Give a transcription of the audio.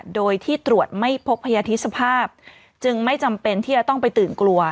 โดยที่ตรวจไม่พบพยาธิสภาพจึงไม่จำเป็นที่จะต้องไปตื่นกลัว